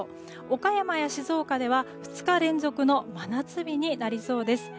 岡山や静岡では２日連続の真夏日になりそうです。